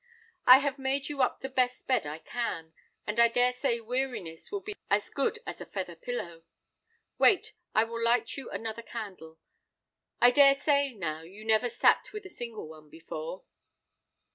I have made you up the best bed I can, and I dare say weariness will be as good as a feather pillow. Wait, I will light you another candle; I dare say, now, you never sat with a single one before."